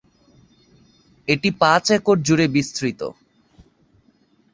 এটি পাঁচ একর জুড়ে বিস্তৃত।